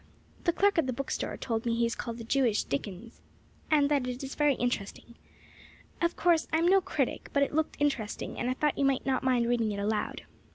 The clerk at the bookstore told me he is called the Jewish Dickens, and that it is very interesting. Of course, I am no critic, but it looked interesting, and I thought you might not mind reading it aloud.